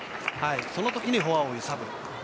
そのときにフォアを揺さぶる。